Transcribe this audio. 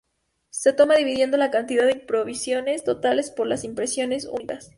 Se toma dividiendo la cantidad de impresiones totales por las impresiones únicas.